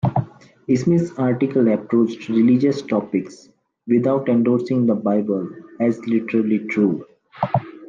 Smith's articles approached religious topics without endorsing the Bible as literally true.